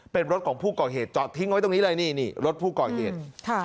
เป็นรถของผู้ก่อเหตุจอดทิ้งไว้ตรงนี้เลยนี่นี่รถผู้ก่อเหตุ